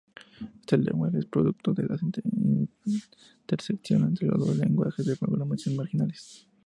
Este lenguaje es producto de la intersección entre dos lenguajes de programación "marginales".